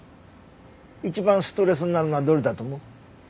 一番ストレスになるのはどれだと思う？